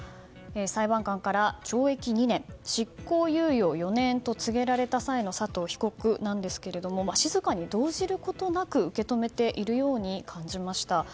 裁判官から懲役２年執行猶予４年と告げられた際の佐藤被告ですが静かに動じることなく受け止めているように感じました。